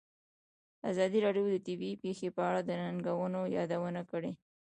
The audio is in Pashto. ازادي راډیو د طبیعي پېښې په اړه د ننګونو یادونه کړې.